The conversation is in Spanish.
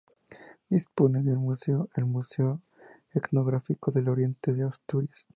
Dispone de un museo, el Museo Etnográfico del Oriente de Asturias.